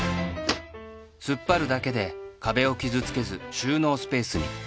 突っ張るだけで壁を傷つけず収納スペースに